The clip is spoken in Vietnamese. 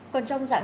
còn trong dạng